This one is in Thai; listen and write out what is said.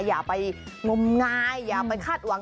อย่าไปงมงายอย่าไปคาดหวัง